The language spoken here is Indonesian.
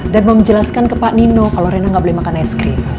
dan mau menjelaskan ke pak nino kalau rena gak boleh makan es krim